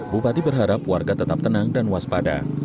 bupati berharap warga tetap tenang dan waspada